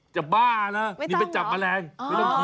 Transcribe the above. ใช่ค่ะ